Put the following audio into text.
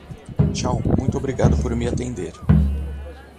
Tchau, muito obrigado por me atender.